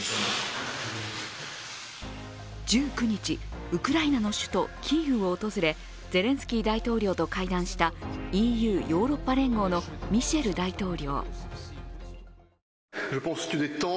１９日、ウクライナの首都キーウを訪れゼレンスキー大統領と会談したＥＵ＝ヨーロッパ連合のミシェル大統領。